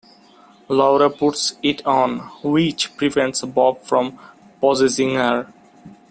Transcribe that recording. Laura puts it on, which prevents Bob from possessing her.